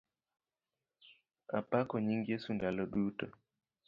Apako nying Yesu ndalo duto.